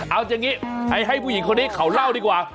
เอาอย่างนี้ให้ผู้หญิงคนนี้เขาเล่าดีกว่า